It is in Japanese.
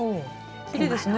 きれいですね。